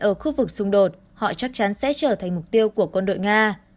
ở khu vực xung đột họ chắc chắn sẽ trở thành mục tiêu của quân đội nga